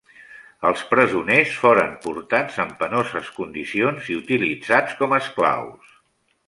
Els presoners foren portats en penoses condicions i utilitzats com esclaus.